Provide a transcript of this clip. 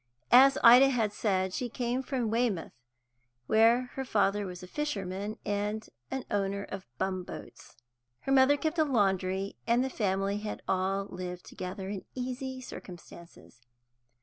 As Ida had said, she came from Weymouth, where her father was a fisherman, and owner of bum boats. Her mother kept a laundry, and the family had all lived together in easy circumstances.